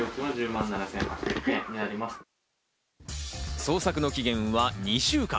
捜索の期限は２週間。